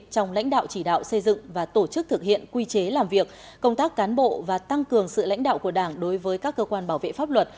trong lãnh đạo chỉ đạo xây dựng và tổ chức thực hiện quy chế làm việc công tác cán bộ và tăng cường sự lãnh đạo của đảng đối với các cơ quan bảo vệ pháp luật